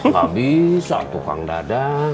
gak bisa tukang dadan